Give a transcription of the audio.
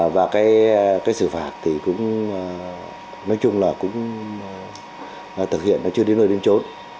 và cái xử phạt thì cũng nói chung là cũng thực hiện nó chưa đến nơi đến trốn